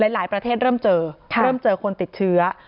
หลายประเทศเริ่มเจอเริ่มเจอคนติดเชื้อ